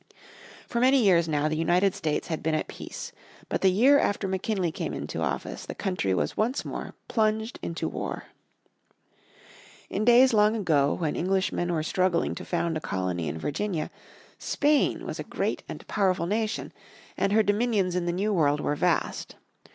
For many years now the United States had been at peace. But the year after McKinley came into office the country was once more plunged into war. In days long ago when Englishmen were struggling to found a colony in Virginia, Spain was a great and powerful nation, and her dominions in the New World were vast.